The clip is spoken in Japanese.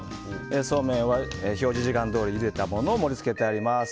そうめんは表示時間どおりゆでたものを盛り付けてあります。